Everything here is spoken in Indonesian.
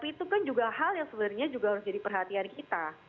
itu kan juga hal yang sebenarnya juga harus jadi perhatian kita